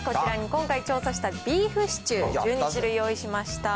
こちらに今回調査したビーフシチュー１２種類用意しました。